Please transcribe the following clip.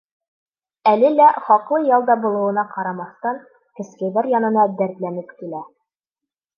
Әле лә, хаҡлы ялда булыуына ҡарамаҫтан, кескәйҙәр янына дәртләнеп килә.